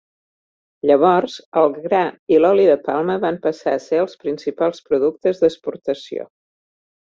Llavors, el gra i l'oli de palma van passar a ser els principals productes d'exportació.